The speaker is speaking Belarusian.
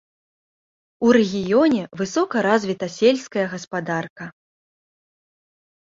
У рэгіёне высока развіта сельская гаспадарка.